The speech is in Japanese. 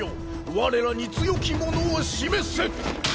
我らに強き者を示せ。